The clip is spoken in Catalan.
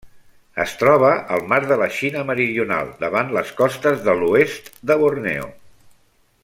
Es troba al mar de la Xina Meridional davant les costes de l'oest de Borneo.